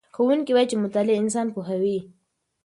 ښوونکی وایي چې مطالعه انسان پوهوي.